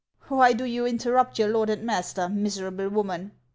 " Why do you interrupt your lord and master, miserable woman